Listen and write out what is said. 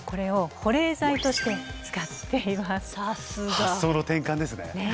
発想の転換ですね。